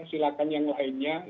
silakan yang lainnya